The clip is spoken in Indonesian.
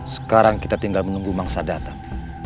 sekarang kita tinggal menunggu mangsa datang